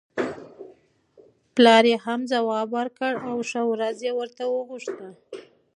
پلار یې هم ځواب ورکړ او ښه ورځ یې ورته وغوښته.